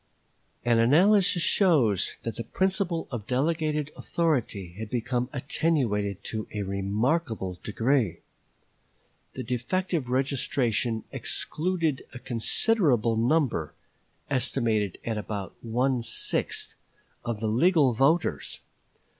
An analysis shows that the principle of delegated authority had become attenuated to a remarkable degree. The defective registration excluded a considerable number (estimated at about one sixth) of the legal voters.